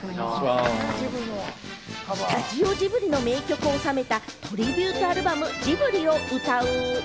スタジオジブリの名曲を収めたトリビュートアルバム『ジブリをうたう』。